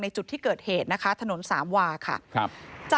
จุดที่เกิดเหตุนะคะถนนสามวาค่ะ